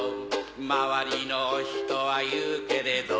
まわりの人は言うけれど